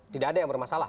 tidak ada yang bermasalah